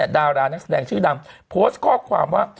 ดารานักแสดงชื่อดังโพสต์ข้อความว่า